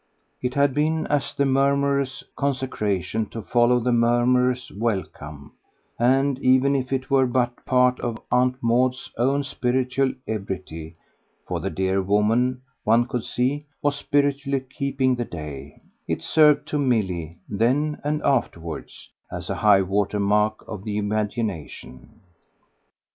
It had been as the murmurous consecration to follow the murmurous welcome; and even if it were but part of Aunt Maud's own spiritual ebriety for the dear woman, one could see, was spiritually "keeping" the day it served to Milly, then and afterwards, as a high water mark of the imagination.